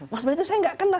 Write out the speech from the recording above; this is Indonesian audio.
mas be itu saya gak kena